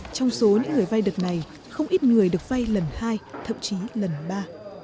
trong số những người vay đợt này không ít người được vay lần hai thậm chí lần ba